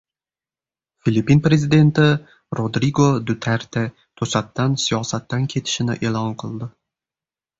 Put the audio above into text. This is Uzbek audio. Filippin prezidenti Rodrigo Duterte to‘satdan siyosatdan ketishini e’lon qildi